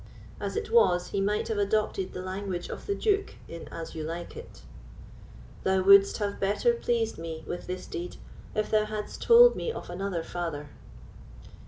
As it was, he might have adopted the language of the Duke in "As You Like It": Thou wouldst have better pleased me with this deed, If thou hadst told me of another father.